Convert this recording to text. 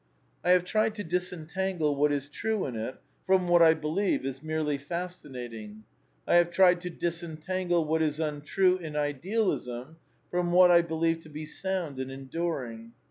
I have tried to disentangle what is true in it from what I believe is merely fascinating. I have tried to disen tangle what is untrue in Idealism from what I believe to be sound and enduring.